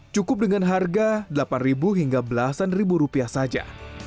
cukup dengan harga delapan hingga belasan ribu rupiah saja